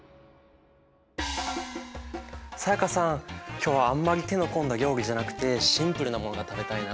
今日はあんまり手の込んだ料理じゃなくてシンプルなものが食べたいな。